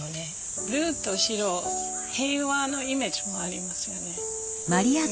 ブルーと白平和のイメージもありますよね。